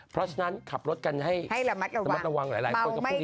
เพราะฉะนั้นขับรถกันให้ระมัดระวังหลายคน